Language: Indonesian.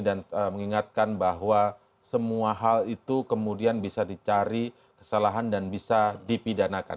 mengingatkan bahwa semua hal itu kemudian bisa dicari kesalahan dan bisa dipidanakan